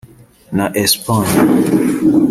na Espagne